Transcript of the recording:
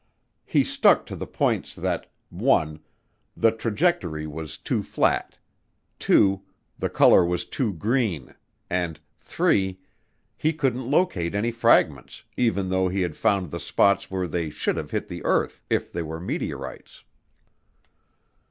He stuck to the points that (1) the trajectory was too flat, (2) the color was too green, and (3) he couldn't locate any fragments even though he had found the spots where they should have hit the earth if they were meteorites.